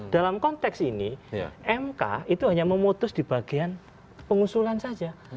dalam konteks ini mk itu hanya memutus di bagian pengusulan saja